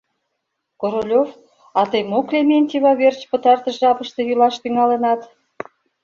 Королёв, а тый мо Клементьева верч пытартыш жапыште йӱлаш тӱҥалынат?